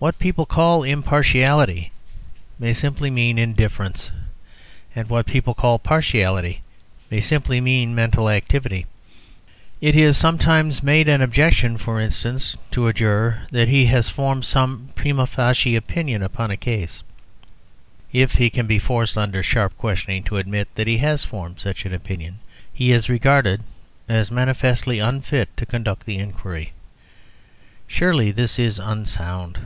What people call impartiality may simply mean indifference, and what people call partiality may simply mean mental activity. It is sometimes made an objection, for instance, to a juror that he has formed some primâ facie opinion upon a case: if he can be forced under sharp questioning to admit that he has formed such an opinion, he is regarded as manifestly unfit to conduct the inquiry. Surely this is unsound.